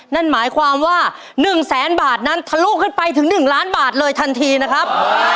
นั่นหมายความว่า๑แสนบาทนั้นทะลุขึ้นไปถึง๑ล้านบาทเลยทันทีนะครับ